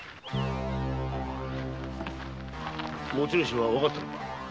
持ち主は分かったのか？